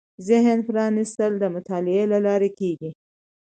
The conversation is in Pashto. ذهن پرانېستل د مطالعې له لارې کېږي